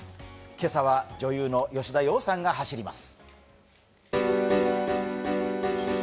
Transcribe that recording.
今朝は女優の吉田羊さんが走ります。